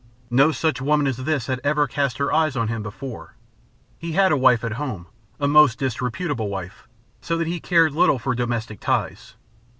No such woman as this had ever cast her eyes on him before. He had a wife at home a most disreputable wife so that he cared little for domestic ties.